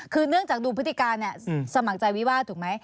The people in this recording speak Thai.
คือเนื่องจากดูพฤติการสมัครใจวิวาสถูกไหม